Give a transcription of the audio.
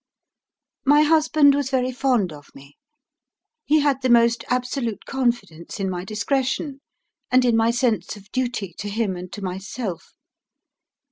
My husband was very fond of me; he had the most absolute confidence in my discretion, and in my sense of duty to him and to myself.